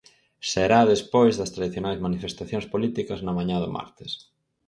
Será despois das tradicionais manifestacións políticas na mañá do martes.